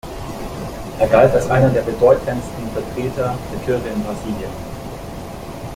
Er galt als einer der bedeutendsten Vertreter der Kirche in Brasilien.